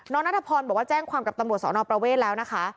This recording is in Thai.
นัทพรบอกว่าแจ้งความกับตำรวจสอนอประเวทแล้วนะคะ